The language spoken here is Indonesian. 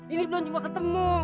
ini belum juga ketemu